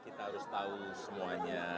kita harus tahu semuanya